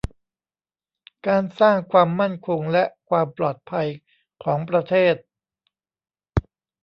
การสร้างความมั่นคงและความปลอดภัยของประเทศ